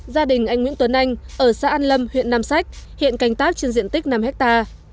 gia đình anh nguyễn tuấn anh ở xã an lâm huyện nam sách hiện canh tác trên diện tích năm hectare